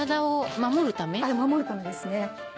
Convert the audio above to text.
守るためですね。